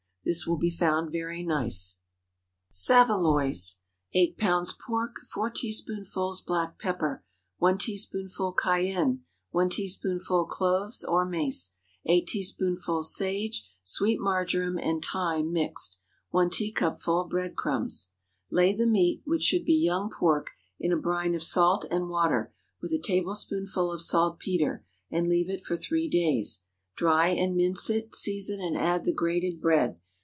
This will be found very nice. SAVELOYS. 8 lbs. pork. 4 teaspoonfuls black pepper. 1 teaspoonful cayenne. 1 teaspoonful cloves or mace. 8 teaspoonfuls sage, sweet marjoram, and thyme, mixed. 1 teacupful bread crumbs. Lay the meat, which should be young pork, in a brine of salt and water, with a tablespoonful of saltpetre, and leave it for three days. Dry and mince it, season, and add the grated bread.